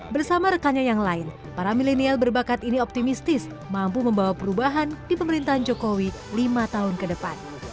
bersama rekannya yang lain para milenial berbakat ini optimistis mampu membawa perubahan di pemerintahan jokowi lima tahun ke depan